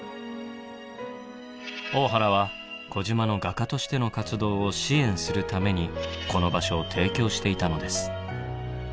大原は児島の画家としての活動を支援するためにこの場所を提供していたのです。